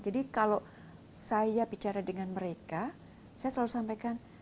jadi kalau saya bicara dengan mereka saya selalu sampaikan